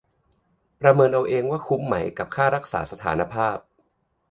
ประเมินเอาเองว่าคุ้มไหมกับค่ารักษาสภานภาพ